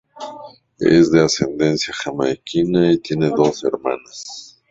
Es de ascendencia jamaicana y tiene dos hermanas.